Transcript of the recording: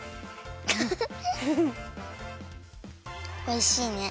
おいしいね。